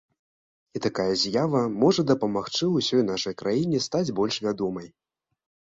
І такая з'ява можа дапамагчы ўсёй нашай краіне стаць больш вядомай.